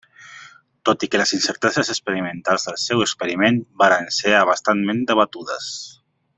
Tot i que les incerteses experimentals del seu experiment varen ser a bastament debatudes.